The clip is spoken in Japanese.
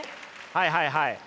はいはいはい。